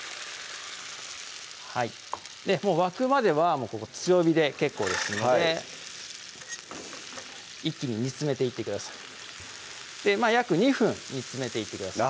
もう沸くまではここ強火で結構ですので一気に煮詰めていってください約２分煮詰めていってください